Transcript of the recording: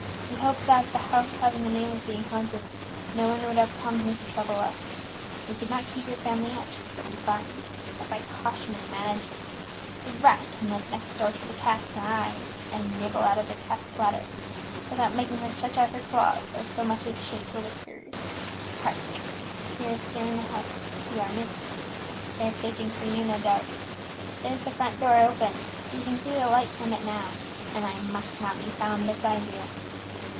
We hoped that, the house having the name of being haunted, no one would have come to trouble us here. We could not keep your family out, but we find that by caution and management the rat can live next door to the cat, ay, and nibble out of the cat's platter, without making her stretch out her claws, or so much as shake her whiskers. Hark! I hear a stir in the house; you are missed; they are searching for you no doubt. There's the front door open, you can see the light from it now; and I must not be found beside you.